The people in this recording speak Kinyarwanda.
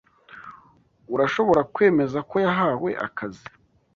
Urashobora kwemeza ko yahawe akazi?